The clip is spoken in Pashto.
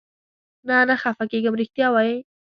نه، نه خفه کېږم، رښتیا وایې؟